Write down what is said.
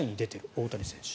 大谷選手。